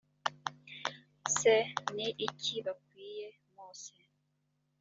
se ni iki babwiye mose